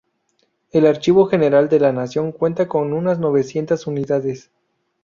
El Archivo General de la Nación cuenta con unas novecientas unidades.